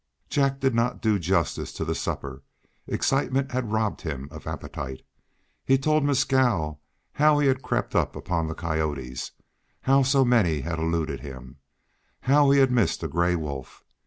Jack did not do justice to the supper; excitement had robbed him of appetite. He told Mescal how he had crept upon the coyotes, how so many had eluded him, how he had missed a gray wolf.